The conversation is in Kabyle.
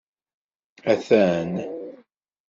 Atan!